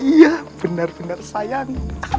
iya benar benar sayang